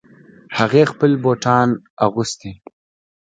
هغې خپلې بوټان اغوستې